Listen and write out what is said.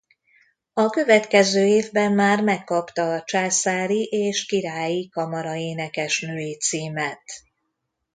A következő évben már megkapta a császári és királyi kamara-énekesnői címet.